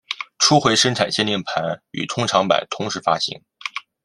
初回生产限定盘与通常版同时发行。